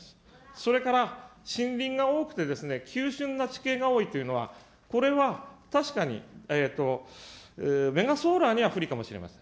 それから森林が多くて、急しゅんな地形が多いというのは、これは確かにメガソーラーには不利かもしれません。